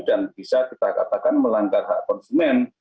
dan bisa kita katakan melanggar hak konsumen